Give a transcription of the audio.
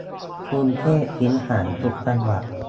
กรุงเทพทิ้งห่างทุกจังหวัด